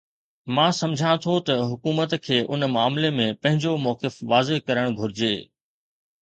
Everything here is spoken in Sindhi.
مان سمجهان ٿو ته حڪومت کي ان معاملي ۾ پنهنجو موقف واضح ڪرڻ گهرجي.